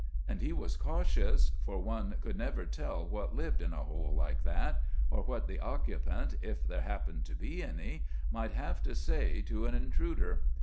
And he was cautious—for one could never tell what lived in a hole like that—or what the occupant, if there happened to be any, might have to say to an intruder.